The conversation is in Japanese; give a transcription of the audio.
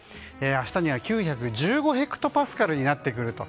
明日には９１５ヘクトパスカルになってくると。